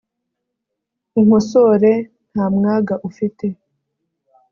unkosore nta mwaga ufite